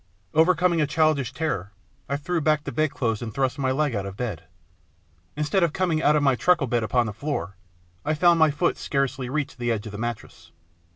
Overcoming a childish terror, I threw back the bedclothes and thrust my leg out of bed. Instead of coming out of my truckle bed upon the floor, I found my foot scarcely reached the edge of the mattress.